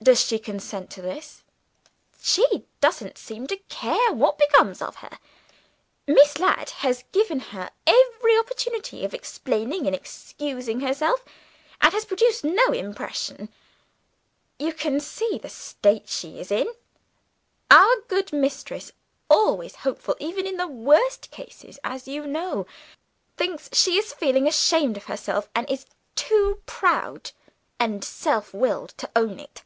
"Does she consent to this?" "She doesn't seem to care what becomes of her. Miss Ladd has given her every opportunity of explaining and excusing herself, and has produced no impression. You can see the state she is in. Our good mistress always hopeful even in the worst cases, as you know thinks she is feeling ashamed of herself, and is too proud and self willed to own it.